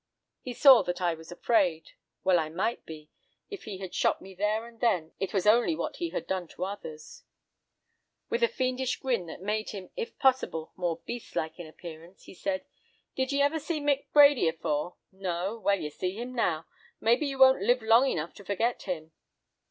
He saw that I was afraid; well I might be—if he had shot me there and then, it was only what he had done to others. With a fiendish grin that made him, if possible, more beast like in appearance, he said: "Did ye ever see Mick Brady afore? No! Well, ye see him now. Maybe ye won't live long enough to forget him!"